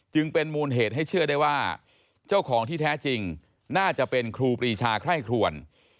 จึงเป็นมูลเหตุให้เชื่อได้ว่าเจ้าของที่แท้จริงน่าจะเป็นครูปรีชาไคร่ครวน